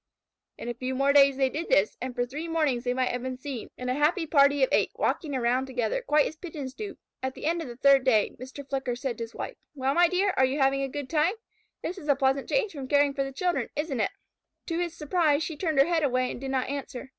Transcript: In a few more days they did this, and for three mornings they might have been seen, in a happy party of eight, walking around together, quite as Pigeons do. At the end of the third day, Mr. Flicker said to his wife: "Well, my dear, are you having a good time? This is a pleasant change from caring for the children, isn't it?" To his surprise, she turned her head away and did not answer.